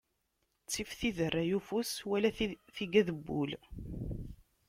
Ttif tiderray ufus, wala tigad n wul.